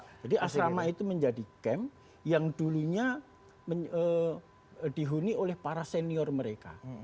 asrama itu menjadi camp yang dulunya dihuni oleh para senior mereka